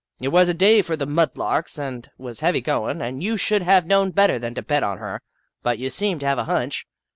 It was a day for the mud larks and was heavy goin', and you should have known better than to bet on her, but you seemed to have a hunch.